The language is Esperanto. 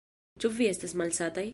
Ĉu vi estas malsataj?